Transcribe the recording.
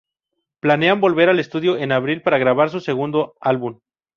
Planean volver al estudio en abril para grabar su segunda album.